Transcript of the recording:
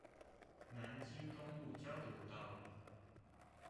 南京東路交流道